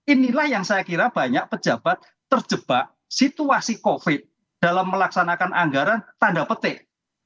inilah yang saya kira banyak pejabat terjebak situasi covid dalam melaksanakan anggaran tanda petik